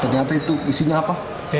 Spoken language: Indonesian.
ternyata itu isinya apa